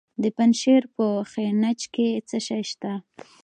د پنجشیر په خینج کې څه شی شته؟